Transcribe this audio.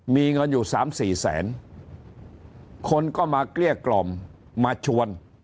มีเงินอยู่สามสี่แสนคนก็มาเกลี้ยกล่อมมาชวน